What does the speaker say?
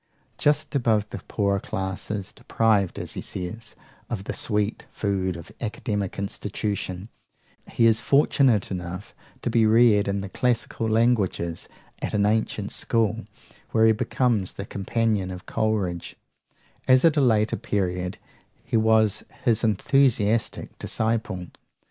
Just above the poorer class, deprived, as he says, of the "sweet food of academic institution," he is fortunate enough to be reared in the classical languages at an ancient school, where he becomes the companion of Coleridge, as at a later period he was his enthusiastic disciple.